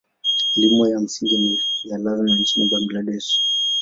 Elimu ya msingi ni ya lazima nchini Bangladesh.